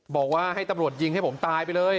บอกว่าให้ตำรวจยิงให้ผมตายไปเลย